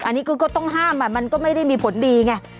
อันนี้ก็ต้องห้ามมันก็ไม่ได้มีผลดีไง